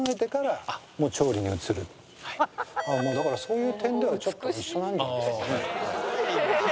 だからそういう点ではちょっと一緒なんですかね。